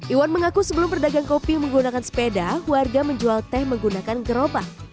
iwan mengaku sebelum berdagang kopi menggunakan sepeda warga menjual teh menggunakan gerobak